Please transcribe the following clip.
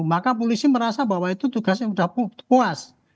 maka polisi merasa bahwa itu tugasnya sudah puas